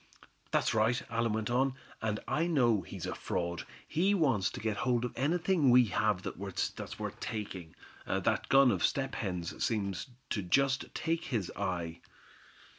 "That's right," Allan went on, "and I know he's a fraud. He wants to get hold of anything we have that's worth taking. That gun of Step Hen's seems to just take his eye."